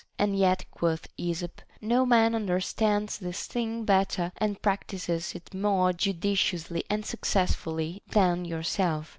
And yet, quoth Esop, no man understands this thing better and practises it more judi ciously and successfully than yourself.